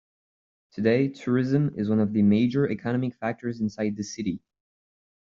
Today, tourism is one of the major economic factors inside the city.